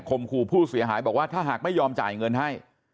ขู่ผู้เสียหายบอกว่าถ้าหากไม่ยอมจ่ายเงินให้